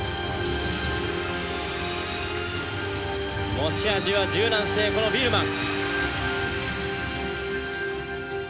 持ち味は柔軟性このビールマン。